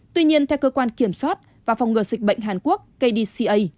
tuy nhiên theo cơ quan kiểm soát và phòng ngừa dịch bệnh hàn quốc kdca